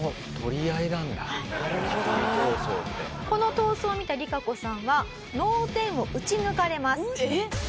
この闘争を見たリカコさんは脳天を打ち抜かれます。